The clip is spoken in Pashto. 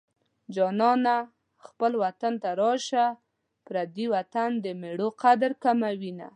جانانه خپل وطن ته راشه پردی وطن د مېړو قدر کموينه